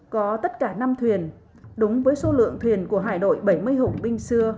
có tất cả năm thuyền đúng với số lượng thuyền của hải đội bảy mươi hùng binh xưa